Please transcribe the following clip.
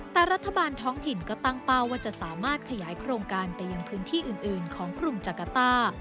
แต่รัฐบาลท้องถิ่นก็ตั้งเป้าว่าจะสามารถขยายโครงการไปยังพื้นที่อื่นของกรุงจักรต้า